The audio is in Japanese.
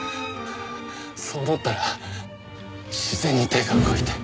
そう思ったら自然に手が動いて。